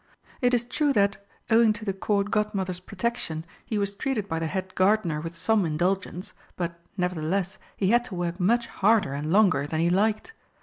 It is true that, owing to the Court Godmother's protection, he was treated by the Head Gardener with some indulgence, but, nevertheless, he had to work much harder and longer than he liked.